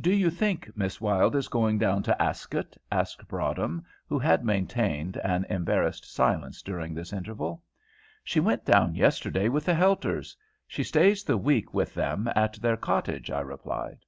"Do you think Miss Wylde is going down to Ascot?" asked Broadhem, who had maintained an embarrassed silence during this interval. "She went down yesterday with the Helters; she stays the week with them at their cottage," I replied.